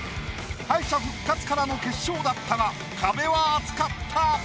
敗者復活からの決勝だったが壁は厚かった。